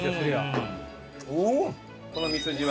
このミスジは？